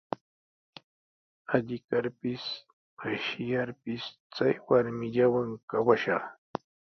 Alli karpis, qishyarpis chay warmillawan kawashaq.